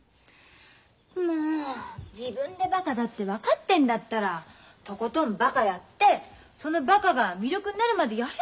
もう自分でバカだって分かってんだったらとことんバカやってそのバカが魅力になるまでやりゃあいいじゃない。